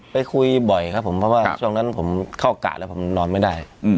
ไปคุยบ่อยครับผมเพราะว่าช่วงนั้นผมเข้ากะแล้วผมนอนไม่ได้